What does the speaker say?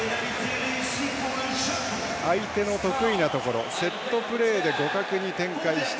相手の得意なところセットプレーで互角に展開して